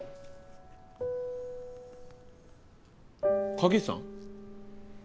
影さん？